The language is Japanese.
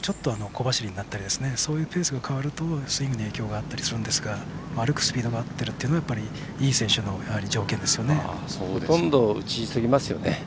ちょっと小走りになったりそういうペースが変わるとスイングに影響が出るんですが歩くスピードが合ってるというのはほとんど打ち急ぎますよね。